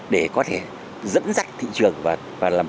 để có thể dẫn dắt thị trường và làm cầu nguyện